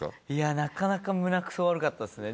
なかなか胸くそ悪かったですね。